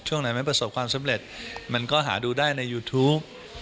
ช่วงไหนมันประสบความสำเร็จมันก็หาดูได้ในยูทูป